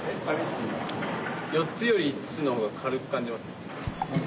４つより５つの方が軽く感じます。